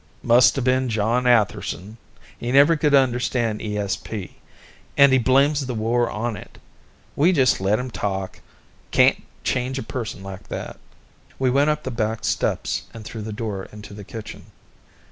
"Must have been John Atherson. He never could understand ESP, and he blames the war on it. We just let him talk; can't change a person like that." We went up the back steps and through the door into the kitchen.